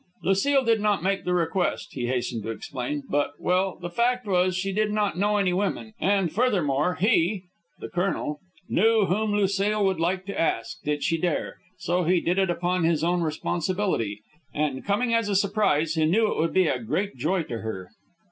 Lucile did not make the request, he hastened to explain, but well, the fact was she did not know any women, and, furthermore, he (the colonel) knew whom Lucile would like to ask, did she dare. So he did it upon his own responsibility. And coming as a surprise, he knew it would be a great joy to her.